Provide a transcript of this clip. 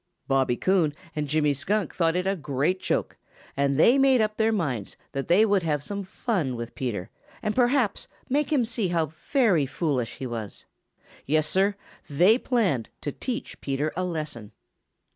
Bobby Coon and Jimmy Skunk thought it a great joke and they made up their minds that they would have some fun with Peter and perhaps make him see how very foolish he was. Yes, Sir, they planned to teach Peter a lesson.